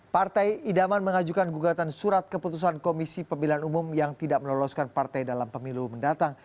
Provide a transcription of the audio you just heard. partai idaman mengajukan gugatan surat keputusan komisi pemilihan umum yang tidak meloloskan partai dalam pemilu mendatang